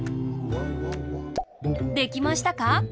できましたか？